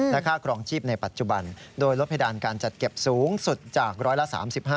และค่าครองชีพในปัจจุบันโดยลดเพดานการจัดเก็บสูงสุดจากร้อยละ๓๕